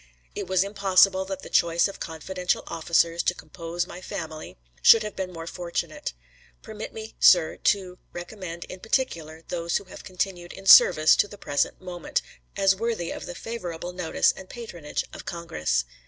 It was impossible that the choice of confidential officers to compose my family should have been more fortunate. Permit me, sir, to recommend in particular those who have continued in service to the present moment as worthy of the favorable notice and patronage of Congress.